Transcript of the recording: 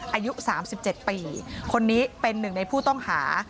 อายุ๓๗ปีคนนี้เป็นหนึ่งในผู้ต้องหา